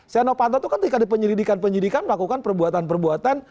sinyalano panto itu kan ketika dipenyelidikan penyelidikan melakukan perbincangan